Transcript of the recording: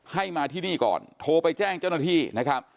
ให้มาที่นี่ก่อนโทรไปแจ้งเจ้าหน้าที่นะครับ